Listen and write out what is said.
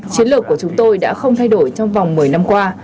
chiến lược của chúng tôi đã không thay đổi trong vòng một mươi năm qua